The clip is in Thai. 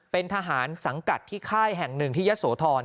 เป็นทหารสังกัดที่ค่ายแห่งหนึ่งที่ยะโสธร